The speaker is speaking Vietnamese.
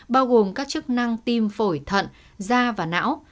bao gồm các chức năng tim phổi thận da và não